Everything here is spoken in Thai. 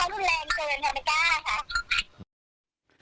ไม่แล้วค่ะแต่ว่าเขาเร็วแรงเกิน๗๐๐จ้า